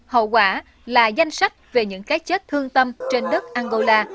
hậu quả là danh sách về những cái chết thương tâm trên đất angola